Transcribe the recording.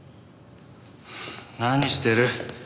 何してる？